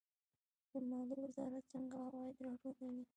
د مالیې وزارت څنګه عواید راټولوي؟